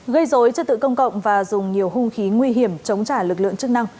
gây dối trật tự công cộng và dùng nhiều hung khí nguy hiểm chống trả lực lượng chức năng